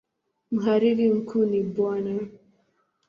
Mhariri mkuu ni Bw.